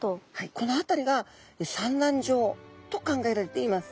この辺りが産卵場と考えられています。